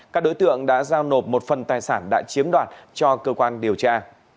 các đối tượng đã giao nộp một phần tài sản đã chiếm đoạt cho cơ quan điều tra